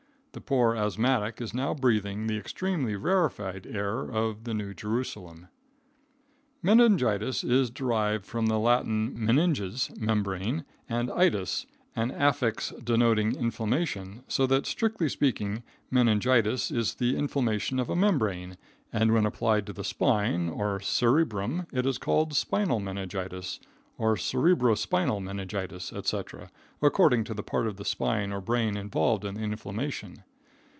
The poor asthmatic is now breathing the extremely rarified air of the New Jerusalem. Meningitis is derived from the Latin Meninges, membrane, and itis, an affix denoting inflammation, so that, strictly speaking, meningitis is the inflammation of a membrane, and when applied to the spine, or cerebrum, is called spinal meningitis, or cerebro spinal meningitis, etc., according to the part of the spine or brain involved in the inflammation.